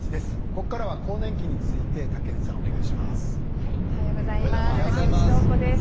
ここからは更年期について武内さんお願いします。